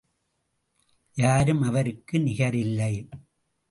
யாரும் அவருக்கு நிகரில்லை.